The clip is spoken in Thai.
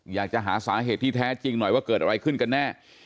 อยากจะหาสาเหตุที่แท้จริงหน่อยว่าเกิดอะไรขึ้นกันแน่